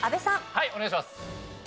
はいお願いします。